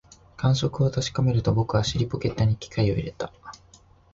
感触を確かめると、僕は尻ポケットに機械を入れた